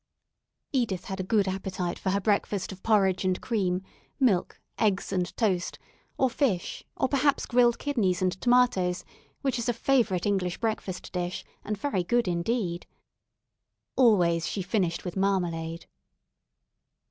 Edith had a good appetite for her breakfast of porridge and cream, milk, eggs and toast, or fish, or perhaps grilled kidneys and tomatoes, which is a favourite English breakfast dish and very good indeed. Always she finished with marmalade.